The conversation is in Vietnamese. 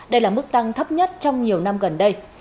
đây là mức tăng thấp nhất trong nhiều năm gần đây